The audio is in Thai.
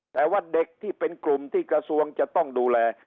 แต่ว่าเด็กที่เป็นกลุ่มที่กระทรวงจะต้องดูแล